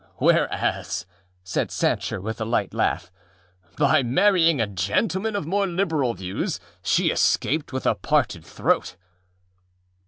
â âWhereas,â said Sancher, with a light laugh, âby marrying a gentleman of more liberal views she escaped with a parted throat.